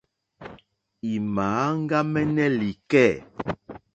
Ì mà áŋɡámɛ́nɛ́ lìkɛ̂.